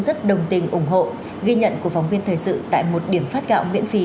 rất đồng tình ủng hộ ghi nhận của phóng viên thời sự tại một điểm phát gạo miễn phí